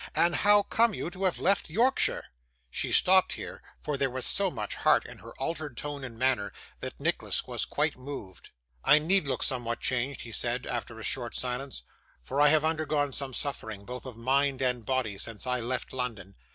And how come you to have left Yorkshire?' She stopped here; for there was so much heart in her altered tone and manner, that Nicholas was quite moved. 'I need look somewhat changed,' he said, after a short silence; 'for I have undergone some suffering, both of mind and body, since I left London.